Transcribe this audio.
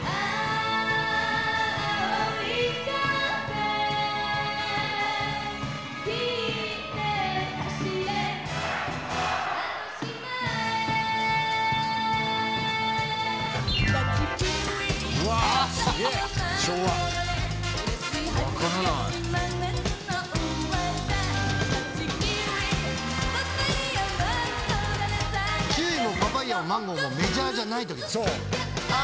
キウイもパパイアもマンゴーもメジャーじゃないときなの。